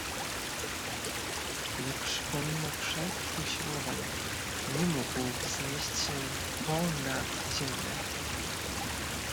"Lecz pomimo wszelkich usiłowań, nie mógł wznieść się po nad ziemię."